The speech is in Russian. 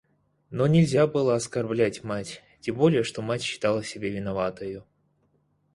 Но нельзя было оскорблять мать, тем более что мать считала себя виноватою.